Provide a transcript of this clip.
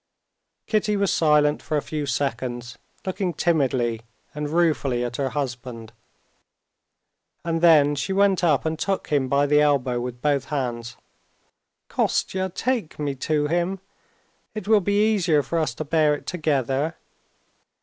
Kitty was silent for a few seconds, looking timidly and ruefully at her husband; then she went up and took him by the elbow with both hands. "Kostya! take me to him; it will be easier for us to bear it together.